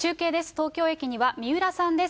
東京駅には三浦さんです。